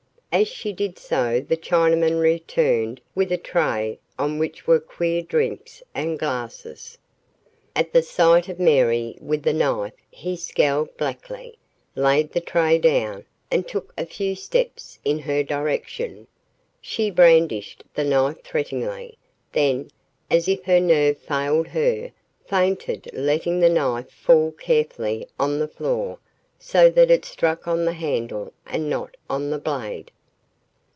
As she did so the Chinaman returned with a tray on which were queer drinks and glasses. At the sight of Mary with the knife he scowled blackly, laid the tray down, and took a few steps in her direction. She brandished the knife threateningly, then, as if her nerve failed her, fainted letting the knife fall carefully on the floor so that it struck on the handle and not on the blade.